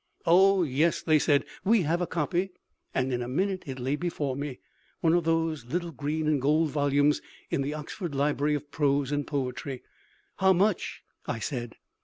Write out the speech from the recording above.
"Oh, yes," they said, "we have a copy." And in a minute it lay before me. One of those little green and gold volumes in the Oxford Library of Prose and Poetry. "How much?" I said.